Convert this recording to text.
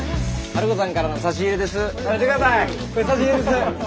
ハルコさんからの差し入れです。